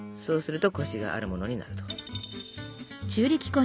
そうするとコシがあるものになると。